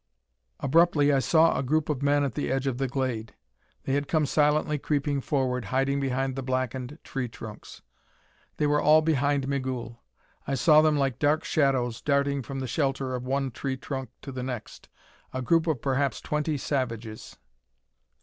Abruptly I saw a group of men at the edge of the glade. They had come silently creeping forward, hiding behind the blackened tree trunks. They were all behind Migul. I saw them like dark shadows darting from the shelter of one tree trunk to the next, a group of perhaps twenty savages.